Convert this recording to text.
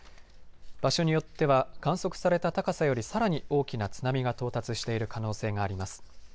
場所によっては観測された高さよりさらに大きな津波が到達している可能性があります。